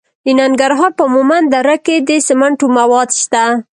د ننګرهار په مومند دره کې د سمنټو مواد شته.